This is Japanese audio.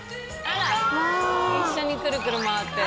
あら一緒にくるくる回って。